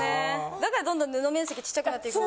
だからどんどん布面積ちっちゃくなっていく。